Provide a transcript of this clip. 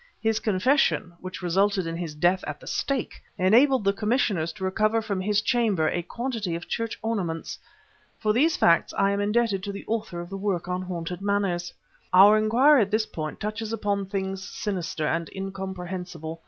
His confession which resulted in his death at the stake! enabled the commissioners to recover from his chamber a quantity of church ornaments. For these facts I am indebted to the author of the work on haunted manors. "Our inquiry at this point touches upon things sinister and incomprehensible.